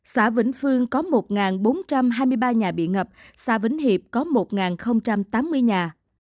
xã vĩnh phương có một bốn trăm hai mươi ba nhà bị ngập xã vĩnh hiệp có một tám mươi nhà